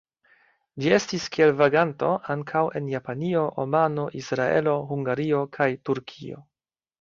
Ĝi estis kiel vaganto ankaŭ en Japanio, Omano, Israelo, Hungario kaj Turkio.